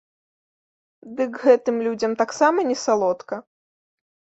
Дык гэтым людзям таксама не салодка.